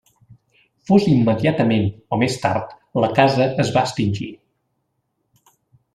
Fos immediatament o més tard, la casa es va extingir.